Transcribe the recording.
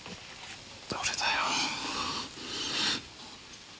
どれだよ？